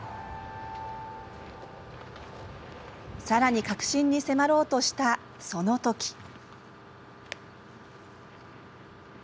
さらに核心に迫ろうとしたそのとき。